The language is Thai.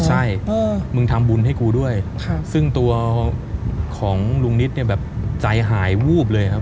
ใช่มึงทำบุญให้กูด้วยซึ่งตัวของลุงนิดเนี่ยแบบใจหายวูบเลยครับ